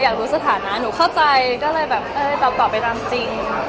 อยากรู้สถานะหนูเข้าใจก็เลยแบบเออตอบไปตามจริง